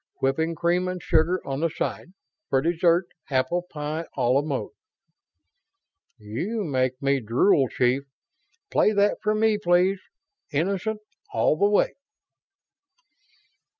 Whipping cream and sugar on the side. For dessert, apple pie a la mode." "You make me drool, chief. Play that for me, please, Innocent, all the way."